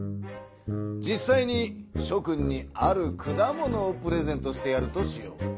実さいにしょ君にある果物をプレゼントしてやるとしよう。